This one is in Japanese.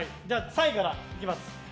３位からいきます。